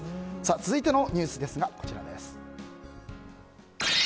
続いてのニュースがこちらです。